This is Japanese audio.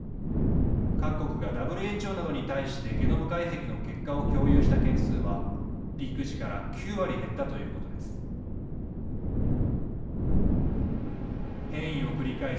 各国がＷＨＯなどに対してゲノム解析の結果を共有した件数はピーク時から９割減ったということです。